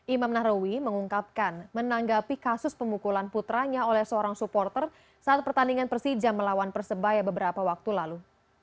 imam nahrawi mengungkapkan menanggapi kasus pemukulan putranya oleh seorang supporter saat pertandingan persija melawan persebaya beberapa waktu lalu